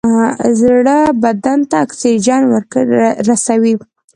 زړه بدن ته اکسیجن رسوي.